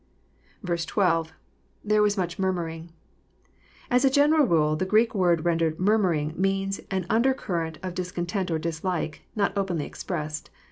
12.— [77ier6 MOOS much murmuring,'] As a general rule the Greek word rendered <* murmuring " means an undercurrent of dis content or dislike, not openly expressed.